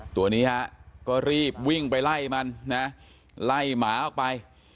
ตัวนี้ฮะก็รีบวิ่งไปไล่มันนะไล่หมาออกไป